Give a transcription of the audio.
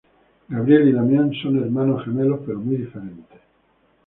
Gabriel y Damián son hermanos gemelos pero muy diferentes.